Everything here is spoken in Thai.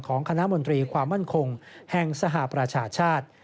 คณะมนตรีความมั่นคงแห่งสหประชาชาติ